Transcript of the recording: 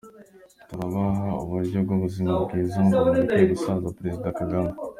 Turabaha uburyo bw’ubuzima bwiza ngo mureke gusaza -Perezida Kagame.